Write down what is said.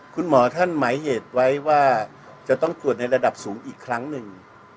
คุณหมอท่านหมายเหตุไว้ว่าจะต้องตรวจในระดับสูงอีกครั้งหนึ่ง